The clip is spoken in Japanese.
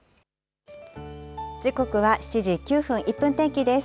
時刻は７時９分、１分天気です。